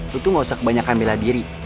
lu tuh gak usah kebanyakan milah diri